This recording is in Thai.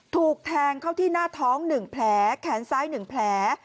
ถูกแพงเข้าที่หน้าท้องนึงแพลแขนซ้ายนึงแพล